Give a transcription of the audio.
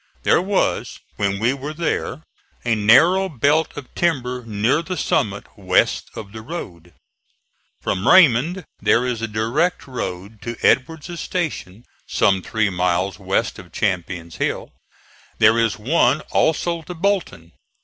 There was, when we were there, a narrow belt of timber near the summit west of the road. From Raymond there is a direct road to Edward's station, some three miles west of Champion's Hill. There is one also to Bolton.